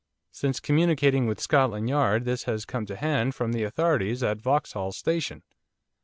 'Since communicating with Scotland Yard this has come to hand from the authorities at Vauxhall Station.